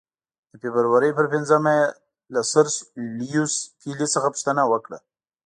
د فبرورۍ پر پنځمه یې له سر لیویس پیلي څخه پوښتنه وکړه.